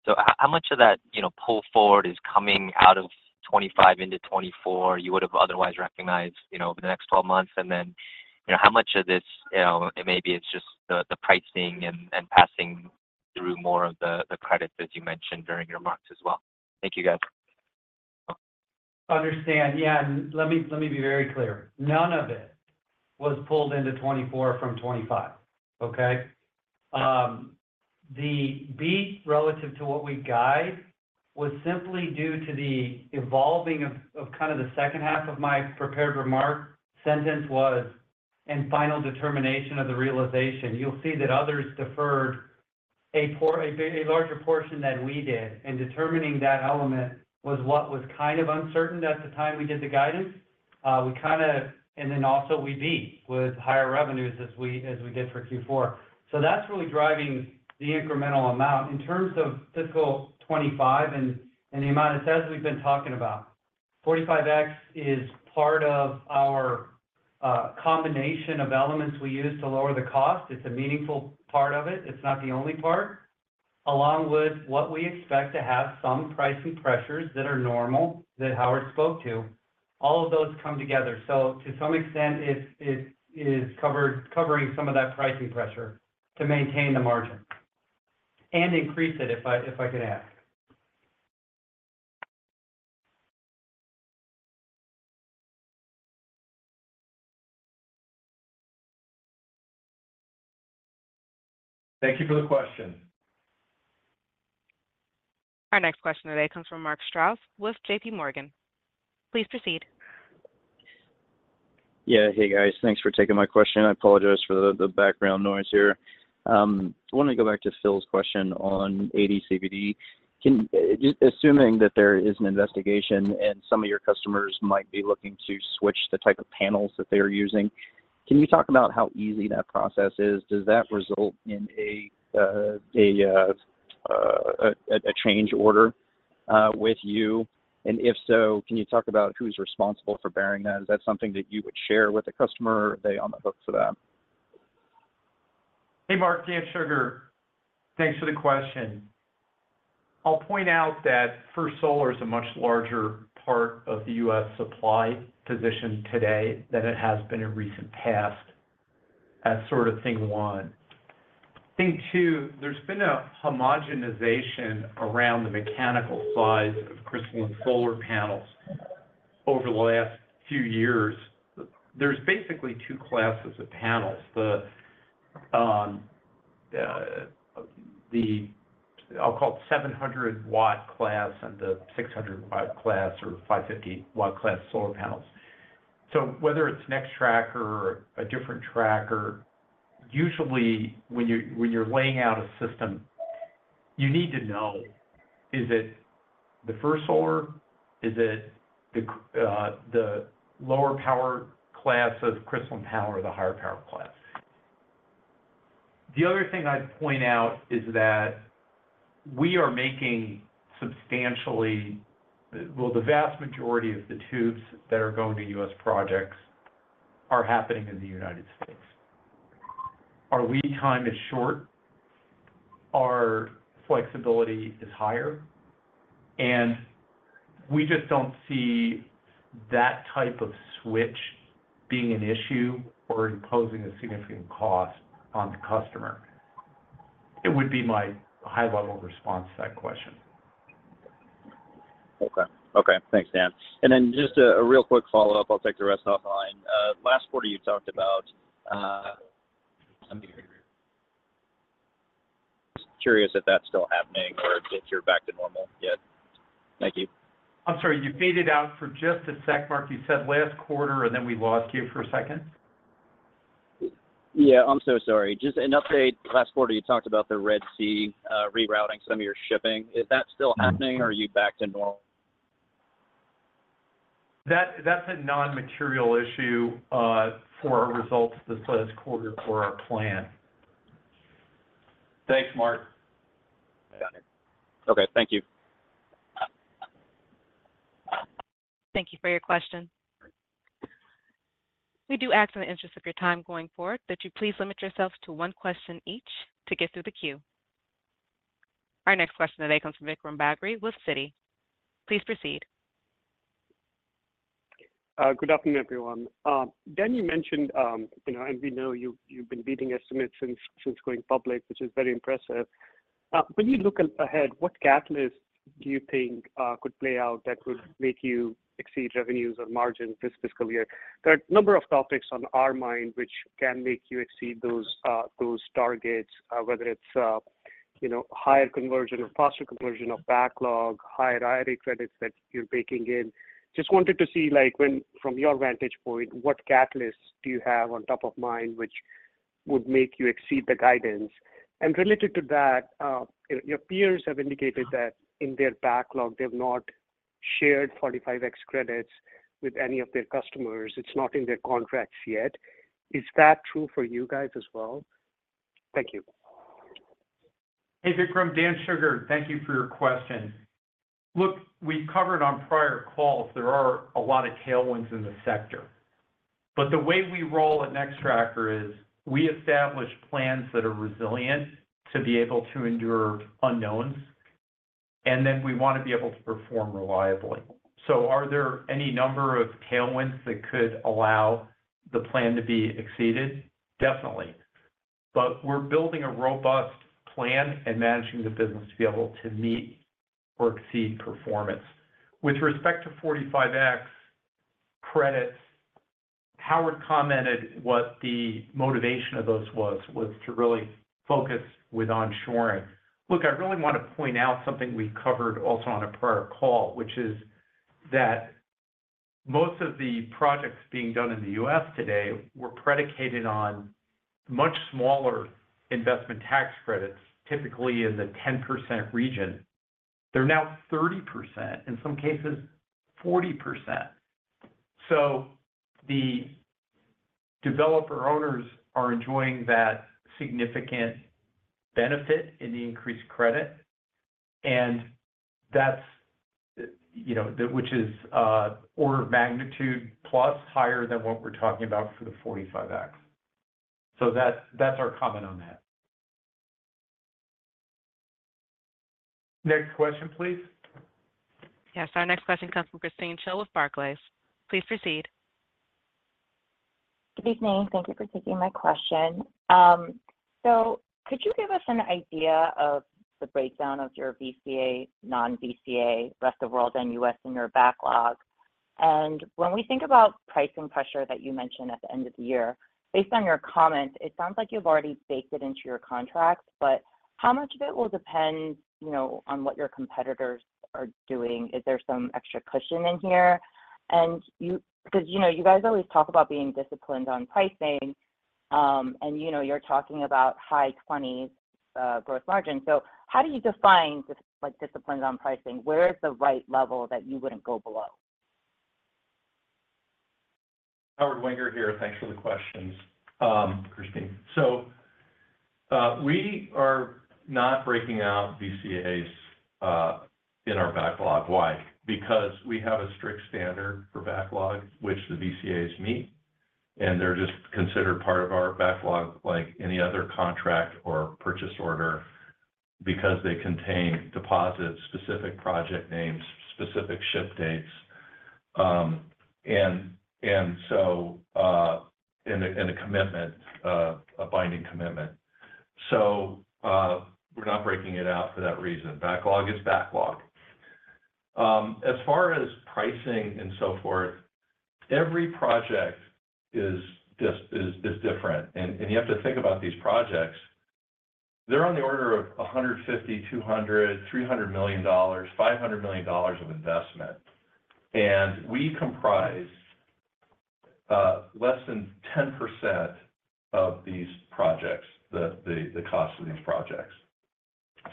So how much of that pull forward is coming out of 2025 into 2024 you would have otherwise recognized over the next 12 months? And then how much of this maybe it's just the pricing and passing through more of the credits, as you mentioned during your remarks as well? Thank you, guys. Understand. Yeah. And let me be very clear. None of it was pulled into 2024 from 2025, okay? The beat relative to what we guide was simply due to the evolving of kind of the second half of my prepared remark sentence was, "And final determination of the realization." You'll see that others deferred a larger portion than we did. And determining that element was what was kind of uncertain at the time we did the guidance. And then also, we beat with higher revenues as we did for Q4. So that's really driving the incremental amount. In terms of fiscal 2025 and the amount it says, we've been talking about, 45X is part of our combination of elements we use to lower the cost. It's a meaningful part of it. It's not the only part, along with what we expect to have some pricing pressures that are normal that Howard spoke to. All of those come together. So to some extent, it is covering some of that pricing pressure to maintain the margin and increase it, if I could ask. Thank you for the question. Our next question today comes from Mark Strouse with JPMorgan. Please proceed. Yeah. Hey, guys. Thanks for taking my question. I apologize for the background noise here. I wanted to go back to Phil's question on ADCVD. Assuming that there is an investigation and some of your customers might be looking to switch the type of panels that they are using, can you talk about how easy that process is? Does that result in a change order with you? And if so, can you talk about who's responsible for bearing that? Is that something that you would share with a customer, or are they on the hook for that? Hey, Mark. Dan Shugar. Thanks for the question. I'll point out that for solar, it's a much larger part of the U.S. supply position today than it has been in recent past. That's sort of thing one. Thing two, there's been a homogenization around the mechanical size of crystalline solar panels over the last few years. There's basically two classes of panels, I'll call it the 700-watt class and the 600-watt class or 550-watt class solar panels. So whether it's Nextracker or a different tracker, usually, when you're laying out a system, you need to know, is it First Solar? Is it the lower power class of crystalline power or the higher power class? The other thing I'd point out is that we are making substantially well, the vast majority of the tubes that are going to U.S. projects are happening in the United States. Our lead time is short. Our flexibility is higher. We just don't see that type of switch being an issue or imposing a significant cost on the customer. It would be my high-level response to that question. Okay. Okay. Thanks, Dan. And then just a real quick follow-up. I'll take the rest off the line. Last quarter, you talked about, I'm curious if that's still happening or if you're back to normal yet. Thank you. I'm sorry. You faded out for just a sec, Mark. You said last quarter, and then we lost you for a second. Yeah. I'm so sorry. Just an update. Last quarter, you talked about the Red Sea rerouting, some of your shipping. Is that still happening, or are you back to normal? That's a non-material issue for our results this last quarter for our plan. Thanks, Mark. Got it. Okay. Thank you. Thank you for your question. We do ask in the interest of your time going forward that you please limit yourself to one question each to get through the queue. Our next question today comes from Vikram Bagri with Citi. Please proceed. Good afternoon, everyone. Dan, you mentioned and we know you've been beating estimates since going public, which is very impressive. When you look ahead, what catalysts do you think could play out that would make you exceed revenues or margins this fiscal year? There are a number of topics on our mind which can make you exceed those targets, whether it's higher conversion or faster conversion of backlog, higher IRA credits that you're baking in. Just wanted to see, from your vantage point, what catalysts do you have on top of mind which would make you exceed the guidance? And related to that, your peers have indicated that in their backlog, they've not shared 45X credits with any of their customers. It's not in their contracts yet. Is that true for you guys as well? Thank you. Hey, Vikram. Dan Shugar. Thank you for your question. Look, we've covered on prior calls, there are a lot of tailwinds in the sector. But the way we roll at Nextracker is we establish plans that are resilient to be able to endure unknowns, and then we want to be able to perform reliably. So are there any number of tailwinds that could allow the plan to be exceeded? Definitely. But we're building a robust plan and managing the business to be able to meet or exceed performance. With respect to 45X credits, Howard commented what the motivation of those was, was to really focus with onshoring. Look, I really want to point out something we covered also on a prior call, which is that most of the projects being done in the U.S. today were predicated on much smaller investment tax credits, typically in the 10% region. They're now 30%, in some cases, 40%. So the developer owners are enjoying that significant benefit in the increased credit, which is order of magnitude plus higher than what we're talking about for the 45X. So that's our comment on that. Next question, please. Yes. Our next question comes from Christine Cho with Barclays. Please proceed. Good evening. Thank you for taking my question. So could you give us an idea of the breakdown of your VCA, non-VCA, rest of the world, and U.S. in your backlog? And when we think about pricing pressure that you mentioned at the end of the year, based on your comments, it sounds like you've already baked it into your contracts, but how much of it will depend on what your competitors are doing? Is there some extra cushion in here? Because you guys always talk about being disciplined on pricing, and you're talking about high 20s gross margins. So how do you define disciplined on pricing? Where is the right level that you wouldn't go below? Howard Wenger here. Thanks for the questions, Christine. So we are not breaking out VCAs in our backlog. Why? Because we have a strict standard for backlog, which the VCAs meet, and they're just considered part of our backlog like any other contract or purchase order because they contain deposits, specific project names, specific ship dates, and so a commitment, a binding commitment. So we're not breaking it out for that reason. Backlog is backlog. As far as pricing and so forth, every project is different. You have to think about these projects. They're on the order of $150 million, $200 million, $300 million, $500 million of investment. We comprise less than 10% of these projects, the cost of these projects.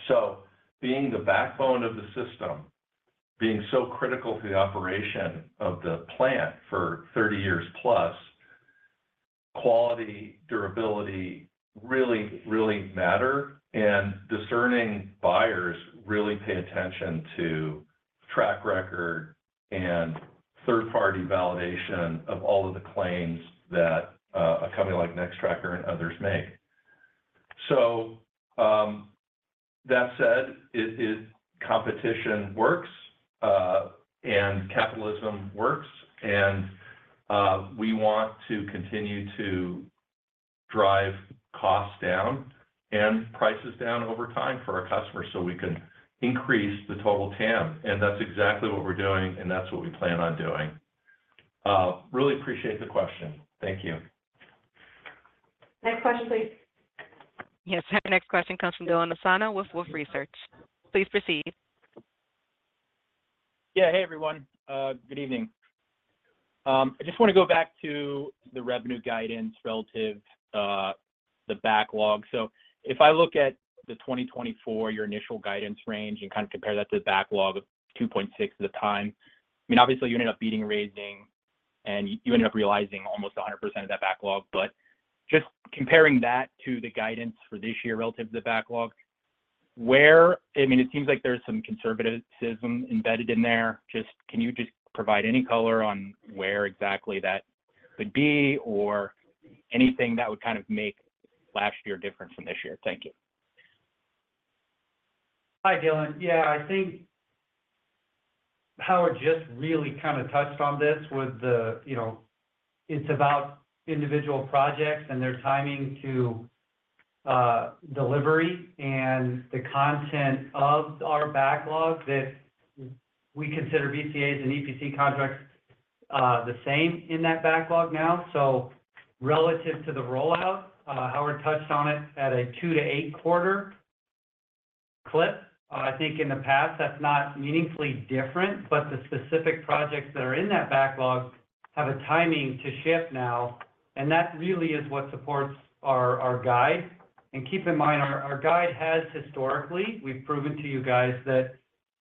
So being the backbone of the system, being so critical to the operation of the plant for 30 years plus, quality, durability really, really matter. Discerning buyers really pay attention to track record and third-party validation of all of the claims that a company like Nextracker and others make. So that said, competition works, and capitalism works. We want to continue to drive costs down and prices down over time for our customers so we can increase the total TAM. That's exactly what we're doing, and that's what we plan on doing. Really appreciate the question. Thank you. Next question, please. Yes. Our next question comes from Dylan Nassano with Wolfe Research. Please proceed. Yeah. Hey, everyone. Good evening. I just want to go back to the revenue guidance relative to the backlog. So if I look at the 2024, your initial guidance range, and kind of compare that to the backlog of $2.6 billion at the time, I mean, obviously, you ended up beating and raising, and you ended up realizing almost 100% of that backlog. But just comparing that to the guidance for this year relative to the backlog, I mean, it seems like there's some conservatism embedded in there. Can you just provide any color on where exactly that could be or anything that would kind of make last year different from this year? Thank you. Hi, Dylan. Yeah. I think Howard just really kind of touched on this with the, it's about individual projects and their timing to delivery and the content of our backlog that we consider VCAs and EPC contracts the same in that backlog now. So relative to the rollout, Howard touched on it at a 2-8-quarter clip. I think in the past, that's not meaningfully different, but the specific projects that are in that backlog have a timing to shift now. And that really is what supports our guide. And keep in mind, our guide has historically, we've proven to you guys that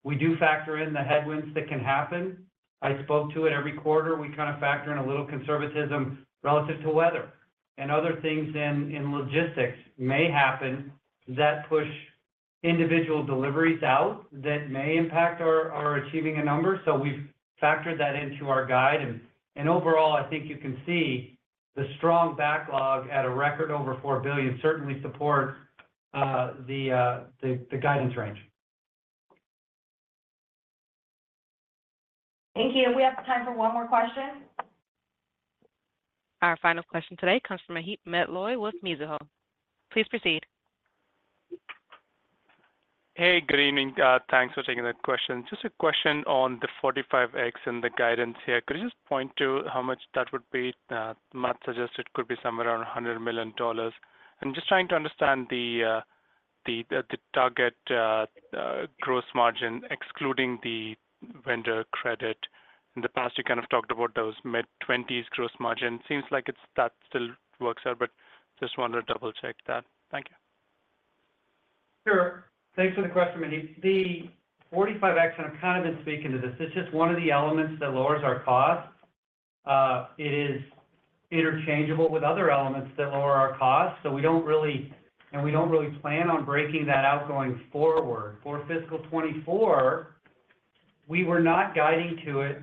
we do factor in the headwinds that can happen. I spoke to it every quarter. We kind of factor in a little conservatism relative to weather. And other things in logistics may happen that push individual deliveries out that may impact our achieving a number. We've factored that into our guide. Overall, I think you can see the strong backlog at a record over $4 billion certainly supports the guidance range. Thank you. We have time for one more question. Our final question today comes from Maheep Mandloi with Mizuho. Please proceed. Hey. Good evening. Thanks for taking that question. Just a question on the 45X and the guidance here. Could you just point to how much that would be? that Matt suggested it could be somewhere around $100 million. And just trying to understand the target gross margin excluding the vendor credit. In the past, you kind of talked about those mid-20s gross margin. Seems like that still works out, but just wanted to double-check that. Thank you. Sure. Thanks for the question, Maheep. The 45X, and I've kind of been speaking to this. It's just one of the elements that lowers our costs. It is interchangeable with other elements that lower our costs. So we don't really and we don't really plan on breaking that out going forward. For fiscal 2024, we were not guiding to it.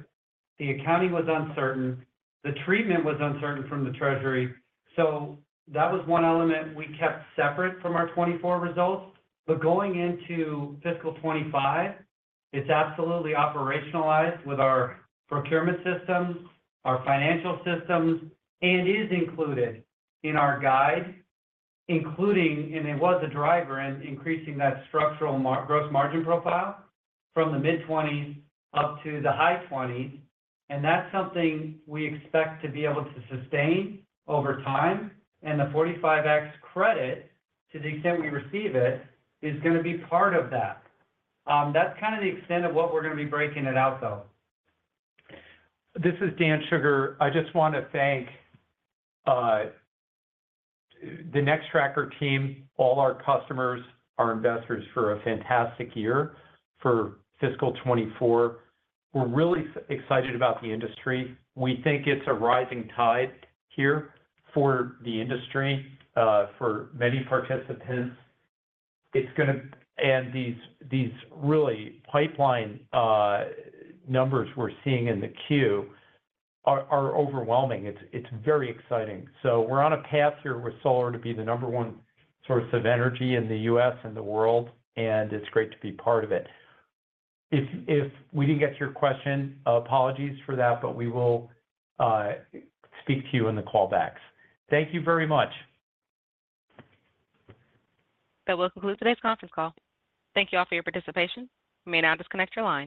The accounting was uncertain. The treatment was uncertain from the Treasury. So that was one element we kept separate from our 2024 results. But going into fiscal 2025, it's absolutely operationalized with our procurement systems, our financial systems, and is included in our guide, including and it was a driver in increasing that structural gross margin profile from the mid-20s up to the high 20s. And that's something we expect to be able to sustain over time. The 45X credit, to the extent we receive it, is going to be part of that. That's kind of the extent of what we're going to be breaking it out, though. This is Dan Shugar. I just want to thank the Nextracker team, all our customers, our investors for a fantastic year for fiscal 2024. We're really excited about the industry. We think it's a rising tide here for the industry, for many participants. And these really pipeline numbers we're seeing in the queue are overwhelming. It's very exciting. So we're on a path here with solar to be the number one source of energy in the U.S. and the world, and it's great to be part of it. If we didn't get to your question, apologies for that, but we will speak to you in the callbacks. Thank you very much. That will conclude today's conference call. Thank you all for your participation. I may now disconnect your line.